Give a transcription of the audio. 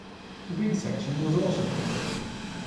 The wing section was also new.